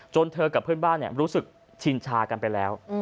เธอกับเพื่อนบ้านรู้สึกชินชากันไปแล้ว